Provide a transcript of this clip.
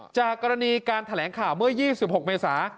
จากกรณีการแถลงข่าวเมื่อ๒๖เมษา